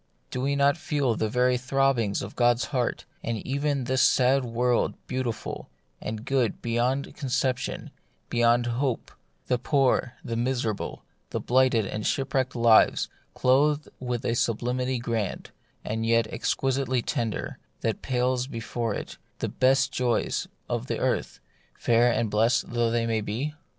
Do we not feel the very throbbings of God's heart, and see even this sad world beautiful and good beyond concep tion, beyond hope ; the poor, the miserable, the blighted and shipwrecked lives clothed with a sublimity grand, and yet exquisitely tender, that pales before it the best joys of earth, fair and blessed though they be